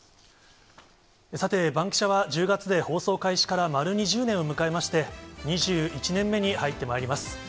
さて、バンキシャは１０月で放送開始から丸２０年を迎えまして、２１年目に入ってまいります。